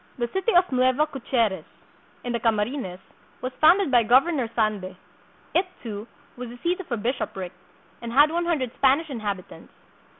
The City of Nueva Caceres, in the Camarines, was founded by Governor Sande. It, too, was the seat of a bishopric, and had one hundred Spanish inhabit ants.